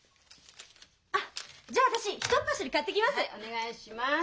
あっじゃあ私ひとっ走り買ってきます。